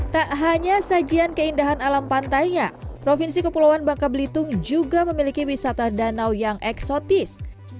tak hanya sajian keindahan alam pantainya provinsi kepulauan bangka belitung juga memiliki wisata danau yang eksotis